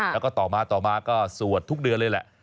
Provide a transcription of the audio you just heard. แล้วก็ต่อมาต่อมาก็สวดทุกเดือนเลยแหละ